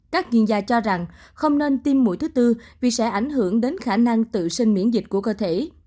các chuyên gia cho rằng không nên tiêm mũi thứ tư vì sẽ ảnh hưởng đến khả năng tự sinh miễn dịch của cơ thể